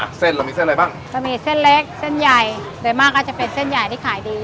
เส้นเรามีเส้นอะไรบ้างเรามีเส้นเล็กเส้นใหญ่โดยมากก็จะเป็นเส้นใหญ่ที่ขายดี